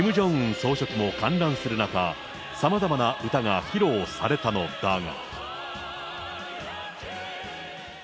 総書記も観覧する中、さまざまな歌が披露されたのだが。